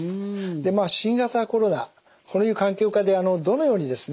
まあ新型コロナこういう環境下でどのようにですね